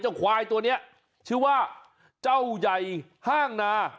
ควายตัวนี้ชื่อว่าเจ้าใหญ่ห้างนา